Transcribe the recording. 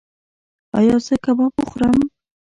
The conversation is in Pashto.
ایا زه کباب وخورم؟